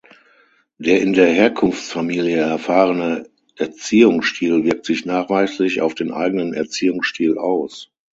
Der in der Herkunftsfamilie erfahrene Erziehungsstil wirkt sich nachweislich auf den eigenen Erziehungsstil aus.